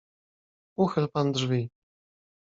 "Uchyl pan drzwi."